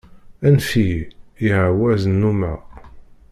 Anef-iyi, i ɛawaz nnumeɣ.